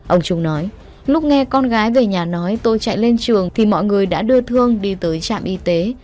ông trung nói lúc nghe con gái về nhà nói tôi chạy lên trường thì mọi người đã đưa thương đi tới trạm y tế